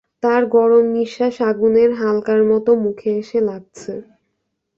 তার গরম নিশ্বাস আগুনের হালকার মতো মুখে এসে লাগছে।